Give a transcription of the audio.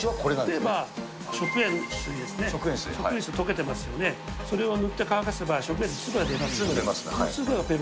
例えば食塩水ですね、食塩水、溶けてますよね、それを塗って乾かせば食塩の粒が出ます。